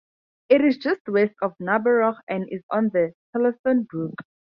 It is just west of Narborough, and is on the Thurlaston Brook.